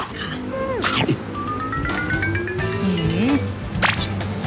ฮือ